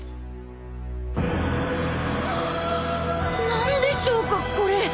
何でしょうかこれ。